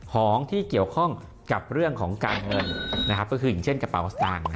ของที่เกี่ยวข้องกับเรื่องของการเงินก็คืออย่างเช่นกระเป๋าสตางค์